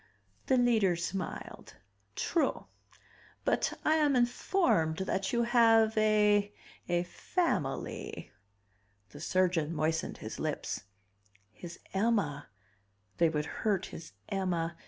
The Leader smiled. "True. But I am informed that you have a a family...." The surgeon moistened his lips. His Emma they would hurt his Emma